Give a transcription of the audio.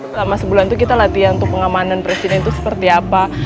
selama sebulan itu kita latihan untuk pengamanan presiden itu seperti apa